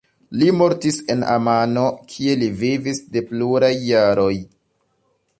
Li mortis en Amano kie li vivis de pluraj jaroj.